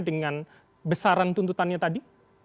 dengan besaran tuntutannya tadi